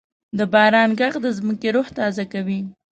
د باران ږغ د ځمکې روح تازه کوي.